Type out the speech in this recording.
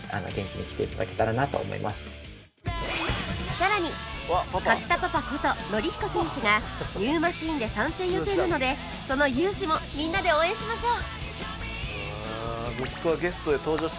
さらに勝田パパこと範彦選手がニューマシンで参戦予定なのでその雄姿もみんなで応援しましょう！